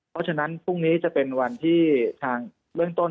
เพราะฉะนั้นพรุ่งนี้จะเป็นวันที่ทางเบื้องต้น